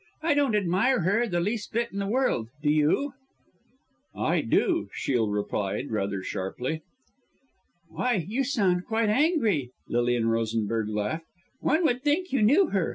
I don't admire her the least bit in the world, do you?" "I do," Shiel replied, rather sharply. "Why, you sound quite angry," Lilian Rosenberg laughed. "One would think you knew her.